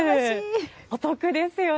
お得ですよね。